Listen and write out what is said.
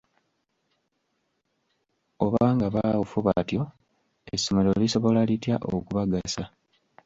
Oba nga baawufu batyo essomero lisobola litya okubagasa?